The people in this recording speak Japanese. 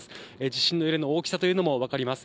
地震の揺れの大きさというのも分かります。